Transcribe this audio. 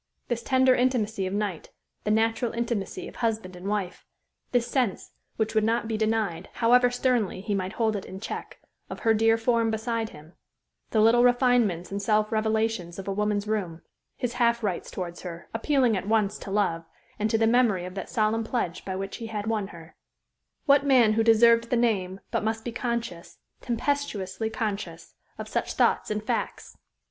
This tender intimacy of night the natural intimacy of husband and wife; this sense, which would not be denied, however sternly he might hold it in check, of her dear form beside him; the little refinements and self revelations of a woman's room; his half rights towards her, appealing at once to love, and to the memory of that solemn pledge by which he had won her what man who deserved the name but must be conscious, tempestuously conscious, of such thoughts and facts?